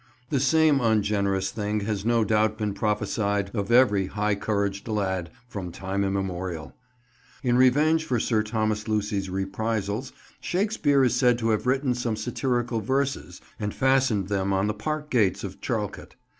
The same ungenerous thing has no doubt been prophesied of every high couraged lad from time immemorial. In revenge for Sir Thomas Lucy's reprisals Shakespeare is said to have written some satirical verses and fastened them on the park gates of Charlecote.